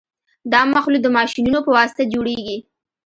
دا مخلوط د ماشینونو په واسطه جوړیږي